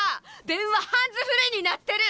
電話ハンズフリーになってる！